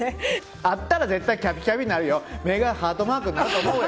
あったら絶対、きゃぴきゃぴなるよ、目がハートマークになると思うよ。